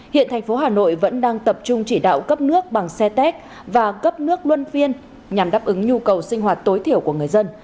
hiện thành phố hà nội vẫn đang tập trung chỉ đạo cấp nước bằng xe tét và cấp nước luân phiên nhằm đáp ứng nhu cầu sinh hoạt tối thiểu của người dân